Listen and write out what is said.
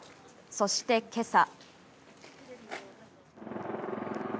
そして今朝。